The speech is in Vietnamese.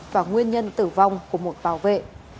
và nguyên nhân tử vong của một bảo vệ